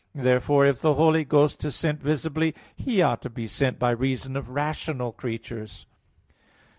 Therefore if the Holy Ghost is sent visibly, He ought to be sent by reason of rational creatures.